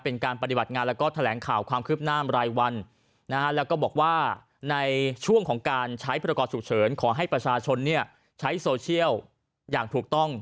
เป็นการปฏิบัติงานแล้วก็แถลงข่าวความคืบหน้ารายวันนะฮะแล้วก็บอกว่าในช่วงของการใช้ประกอบฉุกเฉินขอให้ประชาชนใช้โซเชียลอย่างถูกต้อง